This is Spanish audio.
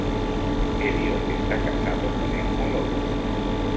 Elliot está casado con Emma Loach.